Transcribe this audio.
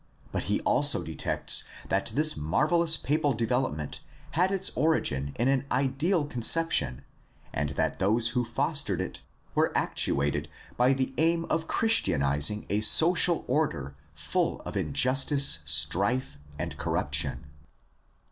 But he also detects that this marvelous papal development had its origin in an ideal conception and that those who fostered it were actuated by the aim of Christianizing a social order full of injustice, strife, and corruption.